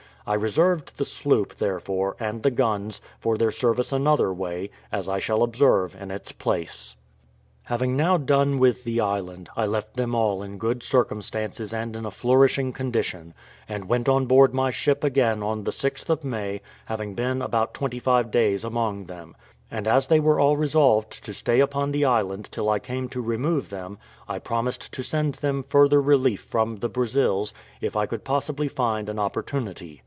I reserved the sloop, therefore, and the guns, for their service another way, as I shall observe in its place. Having now done with the island, I left them all in good circumstances and in a flourishing condition, and went on board my ship again on the 6th of May, having been about twenty five days among them: and as they were all resolved to stay upon the island till I came to remove them, I promised to send them further relief from the Brazils, if I could possibly find an opportunity.